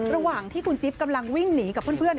ระหว่างที่คุณจิ๊บกำลังวิ่งหนีกับเพื่อน